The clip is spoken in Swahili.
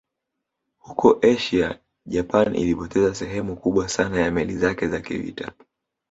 Huko Asia Japan ilipoteza sehemu kubwa sana ya meli zake za kivita